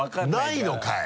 ないのかい！